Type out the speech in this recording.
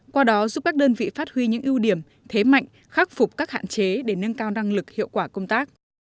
qua đó giúp các đơn vị phát huy những ưu điểm thế mạnh khắc phục các hạn chế để nâng cao năng lực hiệu quả công tác